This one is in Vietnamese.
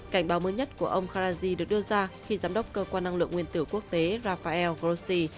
cảnh báo mới nhất của ông kharaji được đưa ra khi giám đốc cơ quan năng lượng nguyên tử quốc tế rafael grossi